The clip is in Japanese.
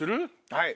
はい。